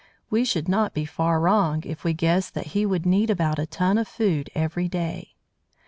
We should not be far wrong if we guessed that he would need about a ton of food every day.